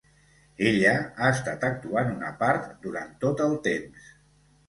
Ella ha estat actuant una part durant tot el temps.